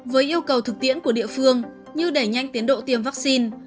với yêu cầu thực tiễn của địa phương như đẩy nhanh tiến độ tiêm vaccine